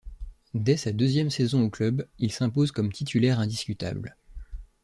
Dès sa deuxième saison au club, il s'impose comme titulaire indiscutable.